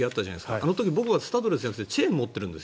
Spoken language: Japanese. あの時、僕はスタッドレスじゃなくてチェーンを持っているんですよ。